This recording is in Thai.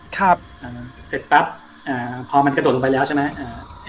ครับเสร็จปั๊บอ่าพอมันกระโดดลงไปแล้วใช่ไหมอ่า